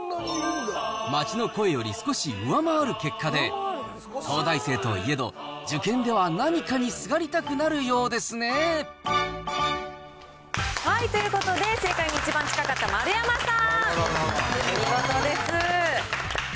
街の声より少し上回る結果で、東大生といえど、受験では何かにすがりたくなるようですね。ということで、正解に一番近かった丸山さん。